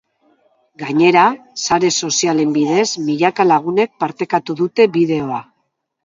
Gainera, sare sozialen bidez milaka lagunek partekatu dute bideoa.